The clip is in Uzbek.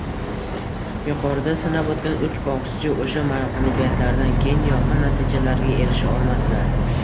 Yuqorida sanab oʻtgan uch bokschi oʻsha magʻlubiyatlaridan keyin yorqin natijalarga erisha olmadilar.